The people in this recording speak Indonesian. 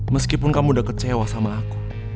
meskipun kamu udah kecewa sama aku